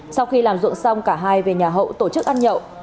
sau khi làm ruộng xong cả hai về nhà hậu tổ chức ăn nhậu